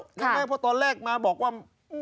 ใช่ไหมเพราะตอนแรกมาบอกว่า